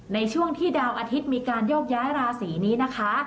ในช่วงที่ดาวอาทิตย์มีการโยกย้ายราศีนี้นะคะ